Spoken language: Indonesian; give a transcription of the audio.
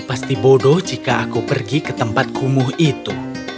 pasti bodoh jika aku pergi ke tempat kumuh itu